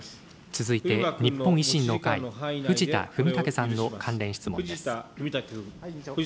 続いて、日本維新の会、藤田文武さんの関連質問です。